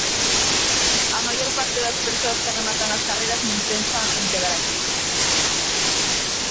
A maior parte das persoas que rematan as carreiras nin pensa en quedar aquí.